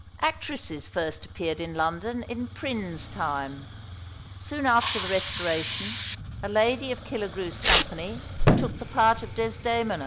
Actresses first appeared in London in Prynne's time. Soon after the Restoration a lady of Killigrew's company took the part of Desdemona.